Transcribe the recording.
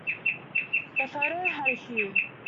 The photo had a hue.